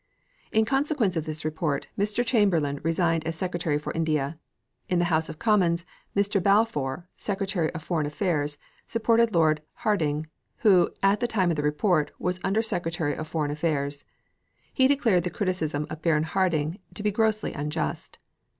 In consequence of this report Mr. Chamberlain resigned as secretary for India. In the House of Commons, Mr. Balfour, Secretary of Foreign Affairs, supported Lord Hardinge, who, at the time of the report, was Under Secretary of Foreign Affairs. He declared the criticism of Baron Hardinge to be grossly unjust.